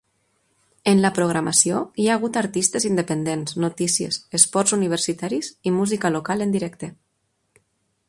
En la programació hi ha hagut artistes independents, notícies, esports universitaris i música local en directe.